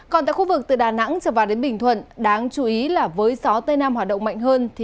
còn tại khu vực từ đà nẵng trở vào đến bình thuận đáng chú ý là với gió tây nam hoạt động mạnh hơn